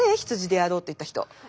羊でやろうって言った人。